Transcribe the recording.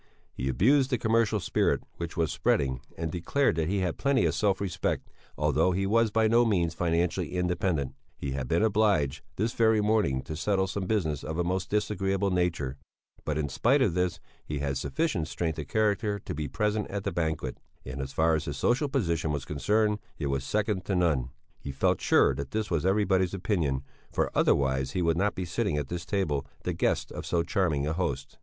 He abused the commercial spirit which was spreading, and declared that he had plenty of self respect, although he was by no means financially independent; he had been obliged, this very morning, to settle some business of a most disagreeable nature but in spite of this he had sufficient strength of character to be present at the banquet; and as far as his social position was concerned, it was second to none he felt sure that this was everybody's opinion, for otherwise he would not be sitting at this table, the guest of so charming a host.